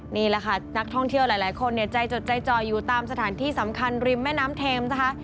นี่แหละค่ะนักท่องเที่ยวหลายคนเนี่ยใจจดใจจ่อยอยู่ตามสถานที่สำคัญริมแม่น้ำเทมนะคะ